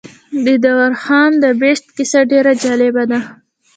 د دورهام د بیشپ کیسه ډېره جالبه ده.